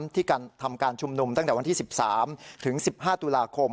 ที่ทำการชุมนุมตั้งแต่วันที่๑๓ถึง๑๕ตุลาคม